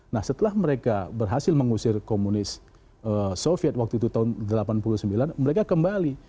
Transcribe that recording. nah setelah mereka berhasil mengusir komunis soviet waktu itu tahun seribu sembilan ratus delapan puluh sembilan mereka kembali